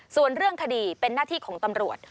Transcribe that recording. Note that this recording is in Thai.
ส่วนเรื่องคดีเป็นหน้าที่ของตำรวจ